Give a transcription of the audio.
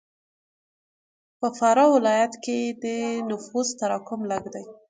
په فراه ولایت کښې د نفوس تراکم لږ دی.